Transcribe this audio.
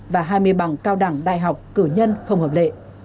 và hai mươi bằng cao đẳng đại học cử nhân không hợp lệ